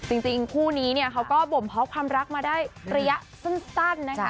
จริงคู่นี้เนี่ยเขาก็บ่มเพาะความรักมาได้ระยะสั้นนะคะ